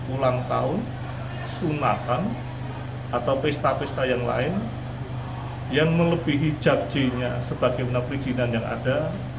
ulang tahun sunatan atau pesta pesta yang lain yang melebihi jabjinya sebagai penerbit jinan yang ada